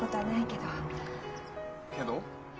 けど？